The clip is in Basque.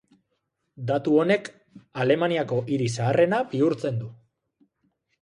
Datu honek Alemaniako hiri zaharrena bihurtzen du.